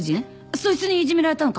そいつにいじめられたのか？